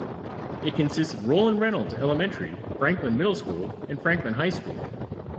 It consists of Roland Reynolds Elementary, Franklin Middle School, and Franklin High School.